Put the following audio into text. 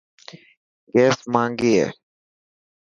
گيس ماهنگي هي.